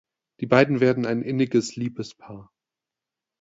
Die beiden werden ein inniges Liebespaar.